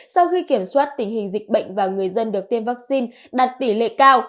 sau khi kiểm soát tình hình dịch bệnh và người dân được tiêm vaccine đạt tỷ lệ cao